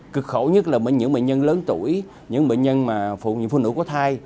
cực khổ nhất là những bệnh nhân lớn tuổi những bệnh nhân phụ nữ có thai